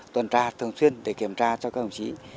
tuần tra thường xuyên để kiểm tra cho các đồng chí